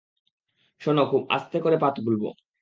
শোনো, খুব আস্তে তোমার পা খুলব।